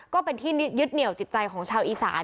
ก็เป็นที่ยึดเหนียวจิตใจของชาวอีสาน